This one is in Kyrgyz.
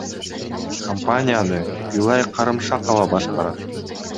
Компанияны Гүлай Карымшакова башкарат.